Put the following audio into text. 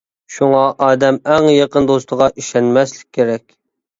شۇڭا ئادەم ئەڭ يېقىن دوستىغا ئىشەنمەسلىك كېرەك!